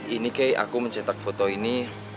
ini kayak aku mencetak foto ini